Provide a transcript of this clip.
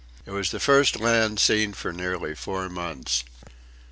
It was the first land seen for nearly four months.